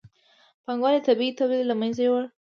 پانګوالۍ طبیعي تولید له منځه یووړ.